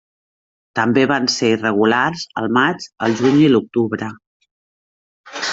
També van ser irregulars el maig, el juny i l’octubre.